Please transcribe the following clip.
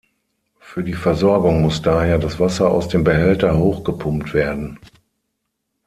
Für die Versorgung muss daher das Wasser aus dem Behälter hoch gepumpt werden.